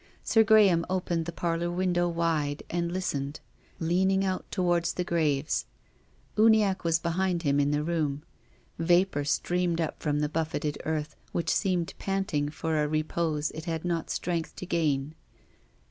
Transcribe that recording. Sir Graham opened the parlour window wide and listened, leaning out towards the graves. Uniacke was behind him in the room. Vapour streamed up from the buffeted earth, which seemed panting for a repose it had no strength to gain.